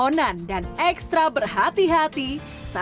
untuk mencapai ke pulau ini wisatawan harus berpenghuni dengan perahu